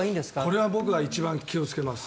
これは僕は一番気をつけます。